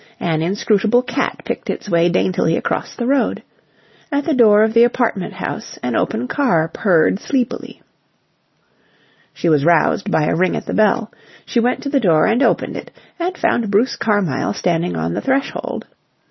An inscrutable cat picked its way daintily across the road. At the door of the apartment house an open car purred sleepily. She was roused by a ring at the bell. She went to the door and opened it, and found Bruce Carmyle standing on the threshold.